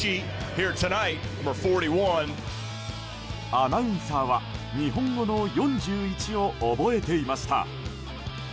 アナウンサーは日本語の４１を覚えていました。